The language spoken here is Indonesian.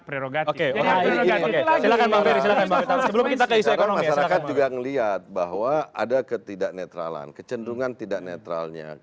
prerogatif oke silakan silakan sebelum kita kayak gitu kalau masyarakat juga ngelihat bahwa ada